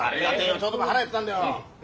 ちょうど腹減ってたんだよ。